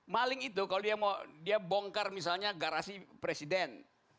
maling itu kalau dia mau dia bongkar misalnya garasi presiden